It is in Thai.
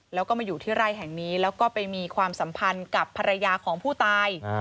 แล้วก็มาอยู่ที่ไร่แห่งนี้แล้วก็ไปมีความสัมพันธ์กับภรรยาของผู้ตาย